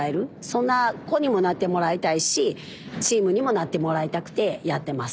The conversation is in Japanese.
そんな子にもなってもらいたいしチームにもなってもらいたくてやってます